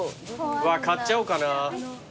買っちゃおうかな。